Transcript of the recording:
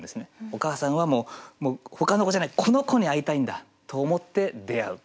お母さんはほかの子じゃないこの子に会いたいんだと思って出会う。